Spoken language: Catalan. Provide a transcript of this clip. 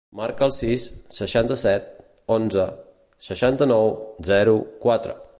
Marca el sis, seixanta-set, onze, seixanta-nou, zero, quatre.